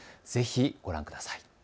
ぜひご覧ください。